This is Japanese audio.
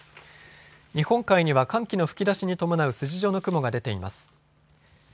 日本海には寒気の吹き出しに伴う筋状の雲が出ています。